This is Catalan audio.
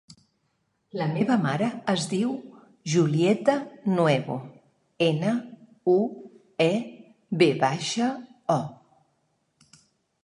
La meva mare es diu Julieta Nuevo: ena, u, e, ve baixa, o.